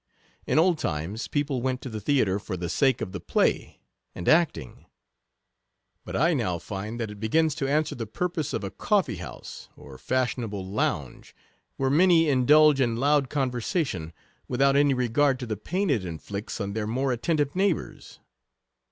In old times, people went to the theatre for the sake of the play and acting ; but I now find that it begins to answer the purpose of a coffee house, or fashionable lounge, where many indulge in loud conversation, without any regard to the pain it inflicts on their more attentive neighbours.